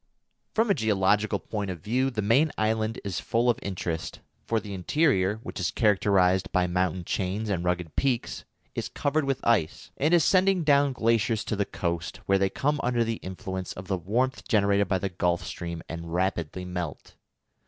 _] From a geological point of view the main island is full of interest, for the interior, which is characterised by mountain chains and rugged peaks, is covered with ice, and is sending down glaciers to the coast, where they come under the influence of the warmth generated by the Gulf Stream and rapidly melt.